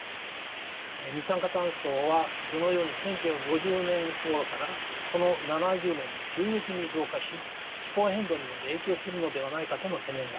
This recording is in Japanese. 二酸化炭素は図のように１９５０年ごろからこの７０年で急激に増加し気候変動にまで影響するのではないかとの懸念があります。